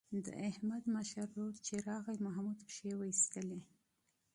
د احمد مشر ورور چې راغی محمود پښې وایستلې.